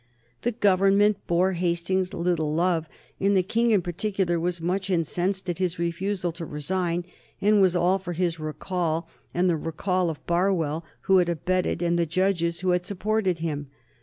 The Government bore Hastings little love, and the King in particular was much incensed at his refusal to resign, and was all for his recall and the recall of Barwell who had abetted, and the judges who had supported him.